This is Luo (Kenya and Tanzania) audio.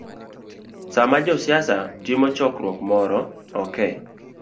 Sama josiasa timo chokruok moro, ok